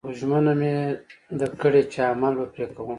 خو ژمنه مې ده کړې چې عمل به پرې کوم